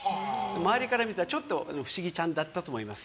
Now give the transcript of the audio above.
周りから見たらちょっと不思議ちゃんだったと思います。